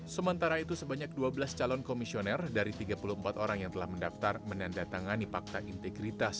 sementara itu sebanyak dua belas calon komisioner dari tiga puluh empat orang yang telah mendaftar menandatangani fakta integritas